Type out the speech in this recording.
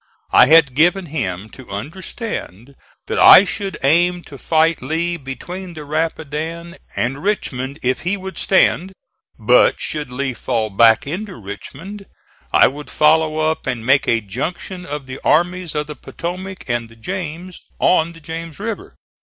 I had given him to understand that I should aim to fight Lee between the Rapidan and Richmond if he would stand; but should Lee fall back into Richmond I would follow up and make a junction of the armies of the Potomac and the James on the James River.